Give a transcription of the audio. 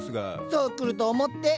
そう来ると思って。